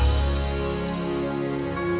atau kamu yang pergi dari rumah ini